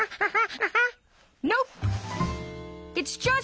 アハハハ。